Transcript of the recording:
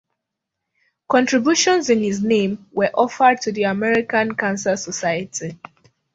Contributions in his name were offered to the American Cancer Society.